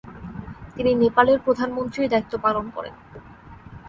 তিনি নেপালের প্রধানমন্ত্রীর দায়িত্ব পালন করেন।